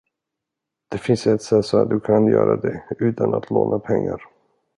Det finns ett sätt så att du kan göra det, utan att låna pengar.